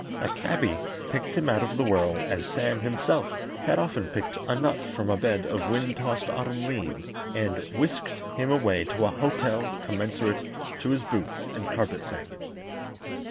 A cabby picked him out of the whirl, as Sam himself had often picked a nut from a bed of wind tossed autumn leaves, and whisked him away to a hotel commensurate to his boots and carpet sack.